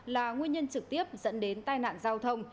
là nguyên nhân trực tiếp dẫn đến tai nạn giao thông